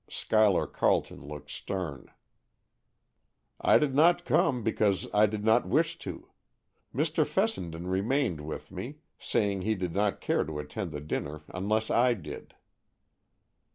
Schuyler Carleton looked stern. "I did not come because I did not wish to. Mr. Fessenden remained with me, saying he did not care to attend the dinner unless I did."